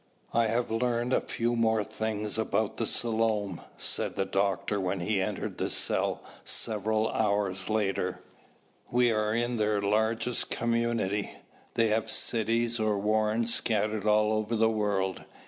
"I have learned a few more things about the Selom," said the doctor when he entered the cell several hours later. "We are in their largest community. They have cities or warrens scattered all over the world.